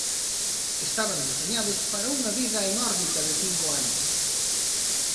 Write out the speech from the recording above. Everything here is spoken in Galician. Estaban deseñados para unha vida en órbita de cinco anos.